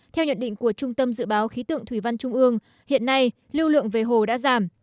theo nhận định của trung tâm dự báo khí tượng thủy văn trung ương hiện nay lưu lượng về hồ đã giảm